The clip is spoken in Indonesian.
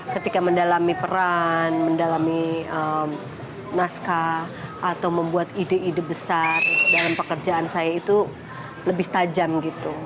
ketika mendalami peran mendalami naskah atau membuat ide ide besar dalam pekerjaan saya itu lebih tajam gitu